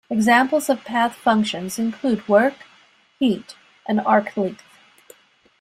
Examples of path functions include work, heat and arc length.